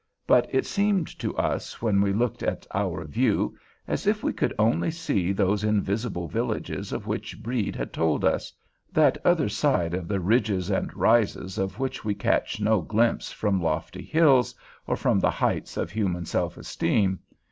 But it seemed to us, when we looked at "our view," as if we could only see those invisible villages of which Brede had told us—that other side of the ridges and rises of which we catch no glimpse from lofty hills or from the heights of human self esteem.